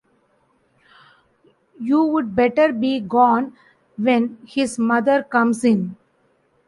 You’d better be gone when his mother comes in.